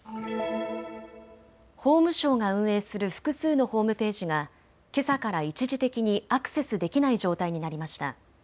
法務省が運営する複数のホームページが、けさから一時的にアクセスできない状態になりました。